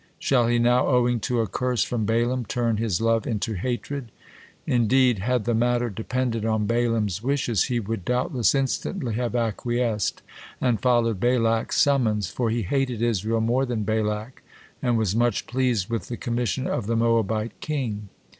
Shall He now, owing to a curse from Balaam turn His love into hatred?" Indeed, had the matter depended on Balaam's wishes, he would doubtless instantly have acquiesced and followed Balak's summons, for he hated Israel more than Balak, and was much pleased with the commission of the Moabite king.